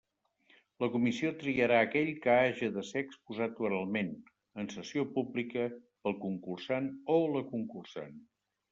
La comissió triarà aquell que haja de ser exposat oralment, en sessió pública, pel concursant o la concursant.